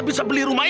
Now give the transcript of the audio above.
dasar keluarga matri